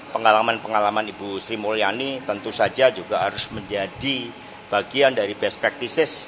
pengalaman pengalaman ibu sri mulyani tentu saja juga harus menjadi bagian dari best practices